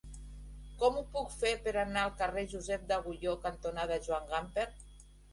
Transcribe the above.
Com ho puc fer per anar al carrer Josep d'Agulló cantonada Joan Gamper?